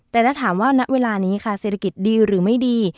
แต่ถ้าถามว่าณเวลานี้ค่ะเศรษฐกิจดีหรือไม่ดี